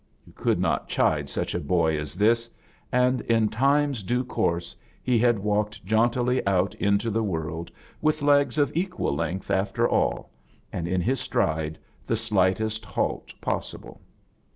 You could not chide such a boy as this; and in time's due course he had walked Jauntily out into the world with legs of equal length, after all, and in his stride the stEghtest halt possible.